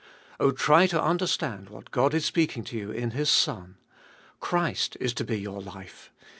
Oh, try to understand what God is speaking to you in His Son. Christ is to be your life.